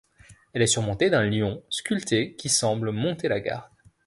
Elle est surmontée d'un lion sculpté qui semble monter la garde.